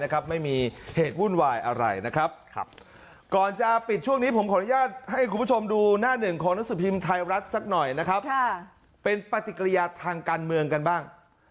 คุณผู้ชมดูหน้าหนึ่งของนักศึกษาไทยรัฐสักหน่อยนะครับเป็นปฏิกรยาสธิ์ทางการเมืองกันบ้าง